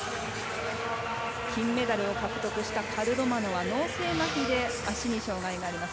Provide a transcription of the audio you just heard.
金メダルを獲得したカルロマノは脳性まひで足に障がいがあります。